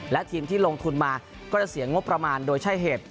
และทีมที่ลงทุนมาก็จะเสียงงบประมาณโดยใช่เหตุ